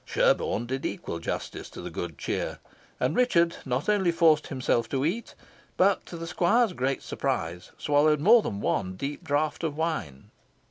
Sherborne did equal justice to the good cheer, and Richard not only forced himself to eat, but to the squire's great surprise swallowed more than one deep draught of wine.